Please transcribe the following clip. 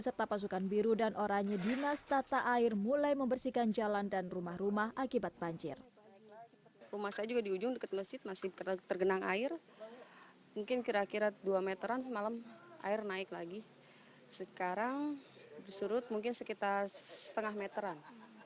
sekarang disurut mungkin sekitar setengah meteran